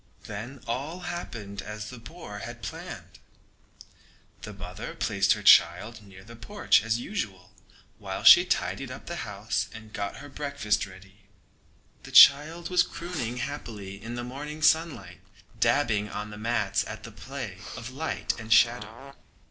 Then all happened as the boar had planned. The mother placed her child near the porch as usual while she tidied up the house and got her breakfast ready. The child was crooning happily in the morning sunlight, dabbing on the mats at the play of light and shadow.